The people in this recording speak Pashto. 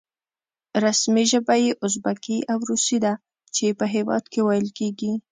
رسمي ژبه یې ازبکي او روسي ده چې په هېواد کې ویل کېږي.